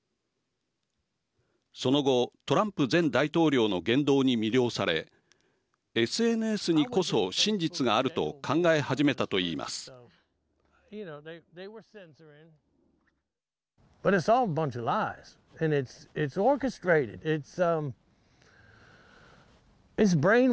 その後トランプ前大統領の言動に魅了されＳＮＳにこそ真実があると考え始めたと言います。